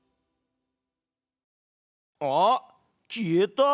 あっ消えた！